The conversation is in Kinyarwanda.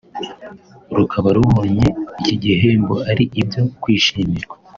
rukaba rubonye iki igihembo ari ibyo kwishimirwa